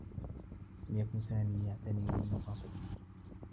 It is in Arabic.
لم يكن سامي يعتني بالنّظافة.